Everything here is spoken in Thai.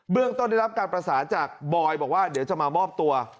เรื่องต้นได้รับการประสานจากบอยบอกว่าเดี๋ยวจะมามอบตัว